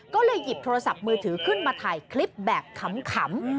ก็เลยหยิบโทรศัพท์มือถือขึ้นมาถ่ายคลิปแบบขำ